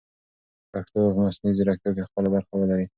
پښتو به په مصنوعي ځیرکتیا کې خپله برخه ولري.